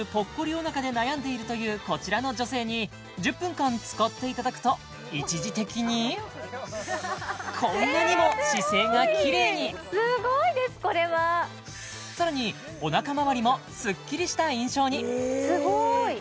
お腹で悩んでいるというこちらの女性に１０分間使っていただくと一時的にこんなにも姿勢がキレイにすごいですこれはさらにお腹まわりもすっきりした印象にすごい！